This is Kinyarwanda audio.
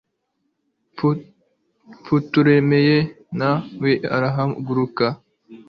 putolemeyi na we arahaguruka